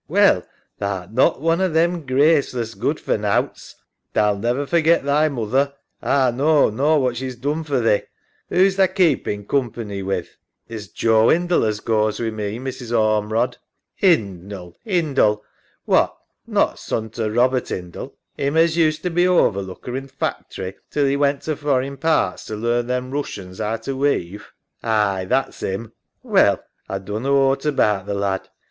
Well, tha art not one o' them graceless good for nowts. Tha'll never forget thy moother, A knaw, nor what she's done for thee. Who's tha keepin' coompa, ny with.? EMMA. It's Joe Hindle as goes wi' me, Mrs. Ormerod. SARAH. 'Indie, 'Indie? What, not son to Robert 'Indie, 'im as used to be overlooker in th' factory till 'e went to foreign parts to learn them Roossians 'ow to weave? EMMA. Aye, that's 'im. SARAH. Well, A dunno ought about th' lad.